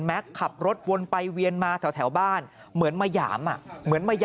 แม็กซ์ขับรถวนไปเวียนมาแถวแถวบ้านเหมือนมะหยามอ่ะเหมือน